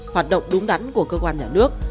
hoạt động đúng đắn của cơ quan nhà nước